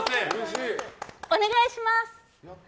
お願いします。